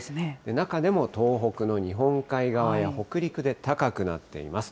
中でも東北の日本海側や北陸で高くなっています。